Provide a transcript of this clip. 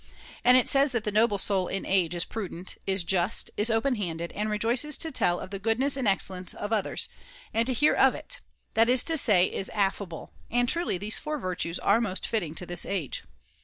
And it says that the noble soul in age is prudent, is just, is open handed, and rejoices to tell of the goodness and excellence of others, and to hear of it ; that is to say is affable ; i. ii. in. iv. and truly these four virtues are most fitting to this age.